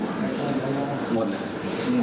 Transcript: เขาได้เงิน๓๐๐บาทไม่ใช่ไหมมันก็มีการสแกน